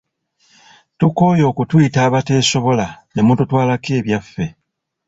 Tukooye okutuyita abateesobola ne mututwalako ebyaffe